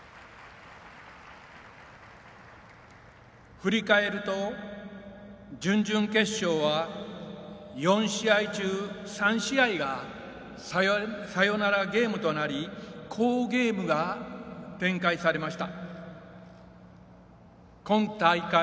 振り返ると準々決勝は４試合中３試合がサヨナラゲームとなり好ゲームが展開されました。